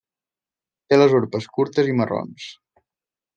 Té les urpes curtes i marrons.